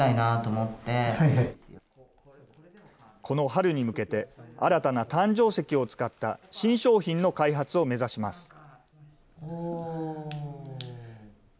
この春に向けて、新たな誕生石を使った新商品の開発を目指します。